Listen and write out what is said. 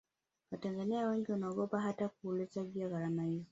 watanzania wengi wanaogopa hata kuuliza juu ya gharama hizo